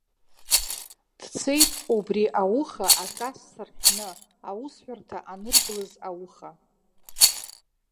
Дцеит убри ауха, акасса рҳәны, аусҳәарҭа анырблыз ауха.